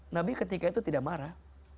nabi ketika itu tidak marah